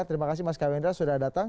terima kasih mas kawendra sudah datang